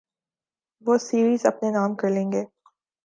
وہ سیریز اپنے نام کر لیں گے۔